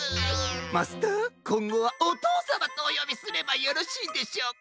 マスターこんごはおとうさまとおよびすればよろしいでしょうか？